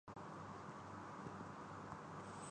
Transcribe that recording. تو پھر اسے سب سے پہلے معاشرے کی تربیت کرنی چاہیے۔